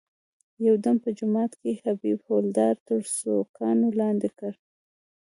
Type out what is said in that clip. یو دم په جومات کې حبیب حوالدار تر سوکانو لاندې کړ.